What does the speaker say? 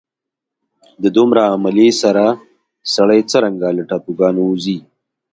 د دومره عملې سره سړی څرنګه له ټاپوګانو ځي.